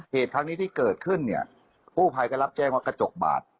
เหตุทั้งนี้ที่เกิดขึ้นเนี่ยกู้ภัยก็รับแจ้งว่ากระจกบาด